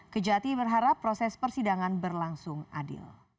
kejati berharap proses persidangan berlangsung adil